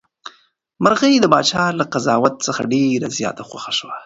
مرغۍ د پاچا له قضاوت څخه ډېره زیاته خوښه شوه.